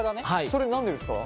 それ何でですか？